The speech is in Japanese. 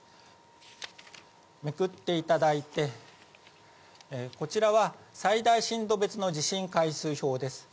めくっていただいて、こちらは、最大震度別の地震回数表です。